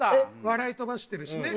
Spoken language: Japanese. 笑い飛ばしてるしね。